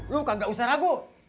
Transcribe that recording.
lu kagak usah ragu